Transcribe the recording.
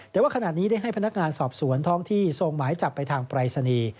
แต่ว่าขณะนี้ได้ให้พนักงานสอบสวนท้องที่ส่งหมายจับไปทางปรายศนีย์